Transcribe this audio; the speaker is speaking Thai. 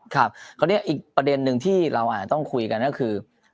คราวนี้อีกประเด็นหนึ่งที่เราอาจจะต้องคุยกันก็คือ